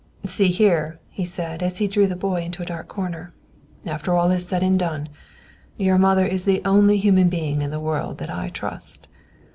"See here," he said, as he drew the boy into a dark corner. "After all said and done, your mother is the only human being in the world that I trust.